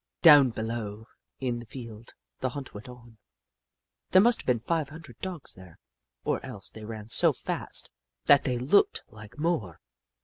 Down below, in the field, the hunt went on. There must have been five hundred Dogs there, or else they ran so fast that they looked like more.